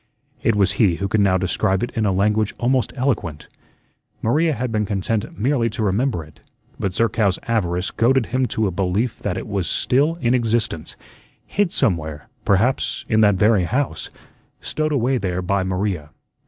It was he who could now describe it in a language almost eloquent. Maria had been content merely to remember it; but Zerkow's avarice goaded him to a belief that it was still in existence, hid somewhere, perhaps in that very house, stowed away there by Maria.